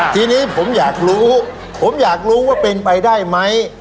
ทีนี้ผมอยากรู้ผมอยากรู้ว่าเป็นไปได้ไหม